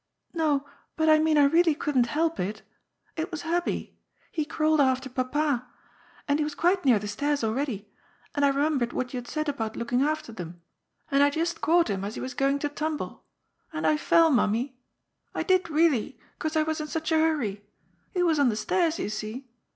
" No, but I mean I really couldn't help it It was Hub bie. He crawled after Papa. And he was quite near the stairs already. And I remembered what you had said about looking after them. And I just caught him as he was going to tumble. And I fell, Mammie. I did, really, 'cause I was in such a hurry. He was on the stairs, you see.